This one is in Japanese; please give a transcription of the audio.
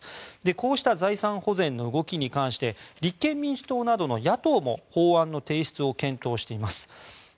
こうした財産保全の動きに関して立憲民主党などの野党も法案の提出を検討しています。